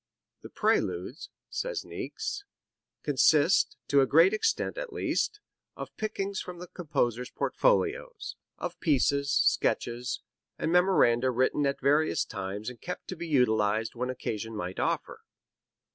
"The Preludes," says Niecks, "consist to a great extent, at least of pickings from the composer's portfolios, of pieces, sketches and memoranda written at various times and kept to be utilized when occasion might offer."